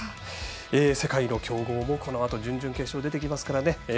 世界の強豪もこのあと準々決勝出てきますからね